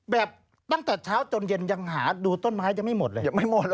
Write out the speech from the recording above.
แบบตั้งแต่เช้าจนเย็นยังหาดูต้นไม้ยังไม่หมดเลยยังไม่หมด